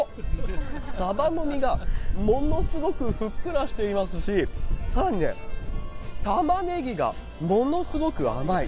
サバの身がものすごくふっくらしてますし、かんで、たまねぎがものすごく甘い。